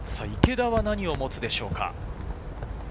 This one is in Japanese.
池田は何を持つでしょうか。